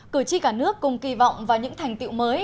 cử tri cả nước cùng kỳ vọng vào những thành tiệu mới